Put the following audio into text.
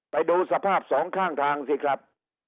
ไปดูสภาพสองข้างทางสิครับ